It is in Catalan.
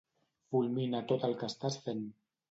Fulmina tot el que estàs fent.